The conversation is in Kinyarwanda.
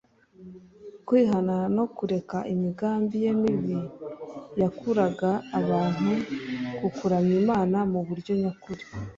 kwihana no kureka imigambi ye mibi yakuraga abantu ku kuramya Imana mu buryo nyakuri